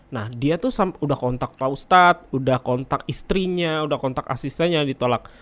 nah dia tuh udah kontak pak ustadz udah kontak istrinya udah kontak asistennya ditolak